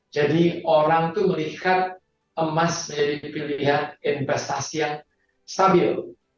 orang tuh melihat emas dari pilihan investasi yang stabil